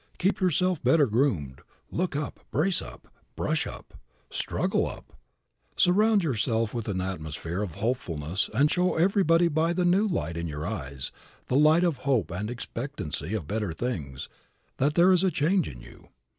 Keep yourself better groomed; look up, brace up, brush up, struggle up. Surround yourself with an atmosphere of hopefulness and show everybody by the new light in your eyes, the light of hope and expectancy of better things, that there is a change in you.